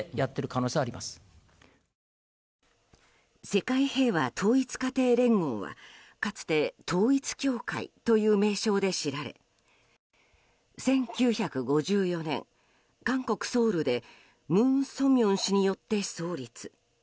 世界平和統一家庭連合はかつて、統一教会という名称で知られ１９５４年、韓国ソウルで文鮮明氏によって創立。